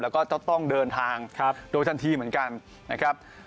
แล้วก็ต้องเดินทางโดยทันทีเหมือนกันนะครับ